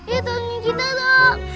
iya tanggung kita dok